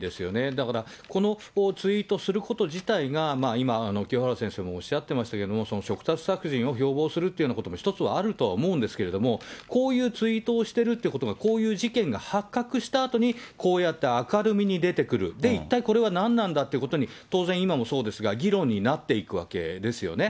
だからこのツイートすること自体が、今の清原先生もおっしゃってましたけど、嘱託殺人を標榜するというようなことは一つはあると思うんですけど、こういうツイートをしてるってことが、こういう事件が発覚したあとに、こうやって明るみに出てくる、一体これは何なんだということに、当然、今もそうですが、議論になっていくわけですよね。